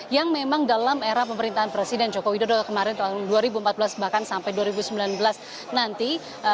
yang memang dalam era pemerintahan presiden joko widodo kemarin tahun dua ribu empat belas bahkan sampai dua ribu sembilan belas nanti